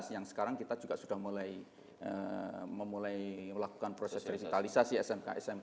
yang sekarang kita juga sudah mulai melakukan proses revitalisasi smk smk